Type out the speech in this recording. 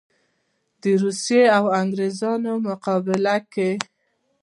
د روسیې او انګرېز په مقابل کې.